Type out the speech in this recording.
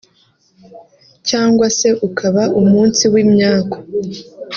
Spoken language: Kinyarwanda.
cyangwa se ukaba umunsi w’imyaku